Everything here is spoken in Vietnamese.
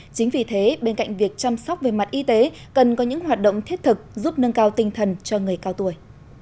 chính vì thế bên cạnh việc chăm sóc về mặt y tế cần có những hoạt động thiết thực giúp nâng cao tinh thần cho người cao tuổi